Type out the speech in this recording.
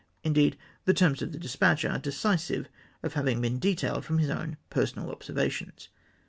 Indeed, the terms of the despatch are decisive of having been detailed from his own personal observations